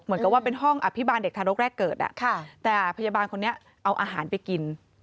เหมือนกับว่าเป็นห้องอภิบาลเด็กทารกแรกเกิดแต่พยาบาลคนนี้เอาอาหารไปกิน